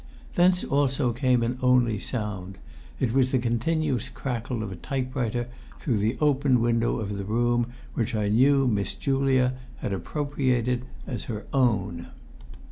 Thence also came an only sound; it was the continuous crackle of a typewriter, through the open window of the room which I knew Miss Julia had appropriated as her own.